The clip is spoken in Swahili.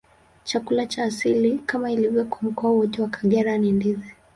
Chakula cha asili, kama ilivyo kwa mkoa wote wa Kagera, ni ndizi.